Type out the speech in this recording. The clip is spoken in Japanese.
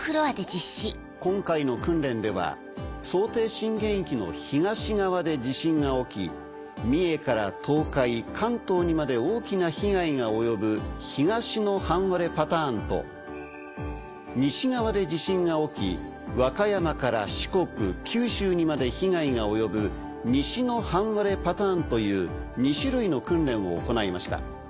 今回の訓練では想定震源域の東側で地震が起き三重から東海関東にまで大きな被害が及ぶ東の半割れパターンと西側で地震が起き和歌山から四国九州にまで被害が及ぶ西の半割れパターンという２種類の訓練を行いました。